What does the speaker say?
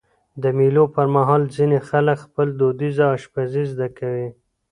د مېلو پر مهال ځيني خلک خپله دودیزه اشپزي زده کوي.